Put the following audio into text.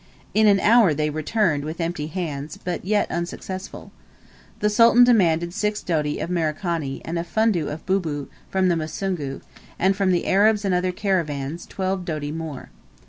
In an hour they returned with empty hands, but yet unsuccessful. The Sultan demanded six doti of Merikani, and a fundo of bubu, from the Musungu; and from the Arabs and other caravans, twelve doti more.